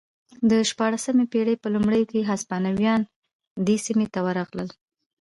د شپاړسمې پېړۍ په لومړیو کې هسپانویان دې سیمې ته ورغلل